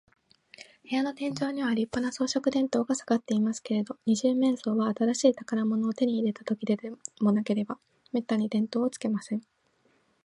部屋の天井には、りっぱな装飾電燈がさがっていますけれど、二十面相は、新しい宝物を手に入れたときででもなければ、めったに電燈をつけません。